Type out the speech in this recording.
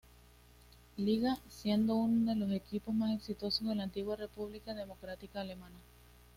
Liga, siendo uno de los equipos más exitosos de la antigua República Democrática Alemana.